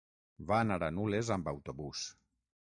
Va anar a Nules amb autobús.